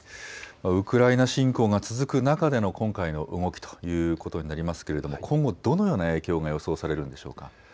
ウクライナ侵攻が続く中での今回の動きということになりますけれども今後どのような影響が予想されるのでしょうか。